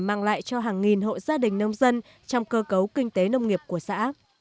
mang lại cho hàng nghìn hộ gia đình nông dân trong cơ cấu kinh tế nông nghiệp của xã